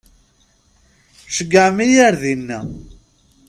Ceyyɛem-iyi ar dina.